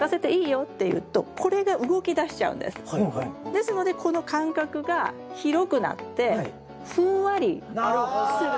ですのでこの間隔が広くなってふんわりする。